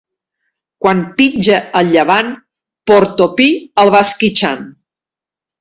Quan pitja el llevant, Portopí el va esquitxant.